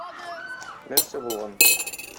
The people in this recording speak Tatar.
Нәрсә булган?